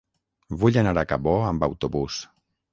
Vull anar a Cabó amb autobús.